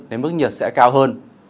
nên mức nhiệt sẽ cao hơn